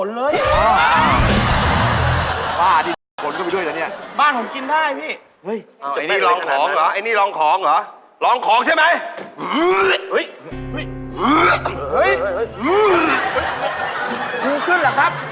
นิ้วขึ้นหรอครับ